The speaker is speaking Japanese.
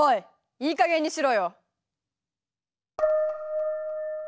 いいかげんにしろよ！